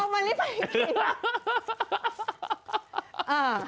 เอามะลิไปกิน